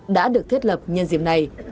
đã được thiết lập nhân diệm này